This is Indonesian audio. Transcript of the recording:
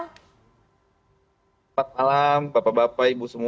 selamat malam bapak bapak ibu semua